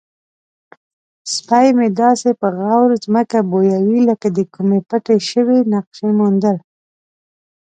سپی مې داسې په غور ځمکه بویوي لکه د کومې پټې شوې نقشې موندل.